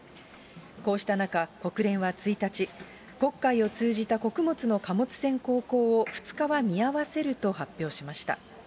こうした中、国連は１日、黒海を通じた穀物の貨物船航行を２日は見合わせると発表しました。